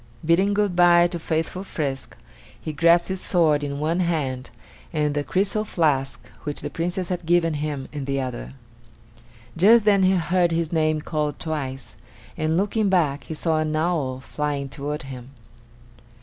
Bidding good by to faithful Frisk, he grasped his sword in one hand and the crystal flask which the Princess had given him in the other. Just then he heard his name called twice, and, looking back, he saw an owl flying toward him.